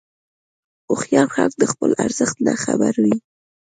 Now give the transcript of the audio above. هوښیار خلک د خپل ارزښت نه خبر وي.